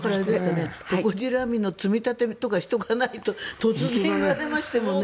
トコジラミの積み立てとかしておかないと突然言われましてもね。